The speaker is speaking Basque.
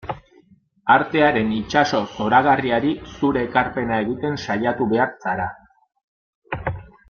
Artearen itsaso zoragarriari zure ekarpena egiten saiatu behar zara.